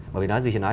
bởi vì nói gì thì nói